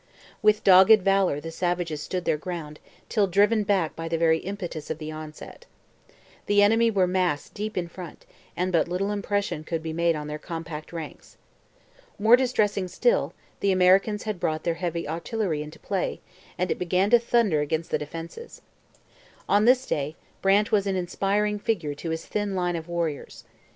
With dogged valour the savages stood their ground, till driven back by the very impetus of the onset. The enemy were massed deep in front and but little impression could be made on their compact ranks. More distressing still, the Americans had brought their heavy artillery into play, and it began to thunder against the defences. On this day Brant was an inspiring figure to his thin line of warriors.